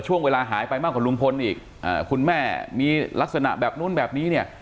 ช่วงเวลาหายไปมากกว่าลุงพลอีกคุณแม่มีลักษณะแบบนู้นแบบนี้เนี่ย